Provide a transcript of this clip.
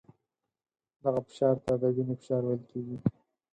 دغه فشار ته د وینې فشار ویل کېږي.